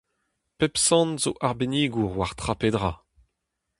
Pep sant zo arbennigour war tra pe dra.